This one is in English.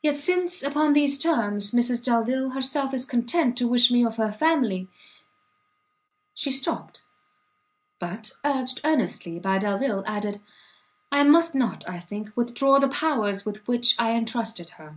yet, since upon these terms, Mrs Delvile herself is content to wish me of her family " She stopt; but, urged earnestly by Delvile, added "I must not, I think, withdraw the powers with which I entrusted her."